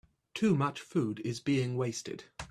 Too much food is being wasted.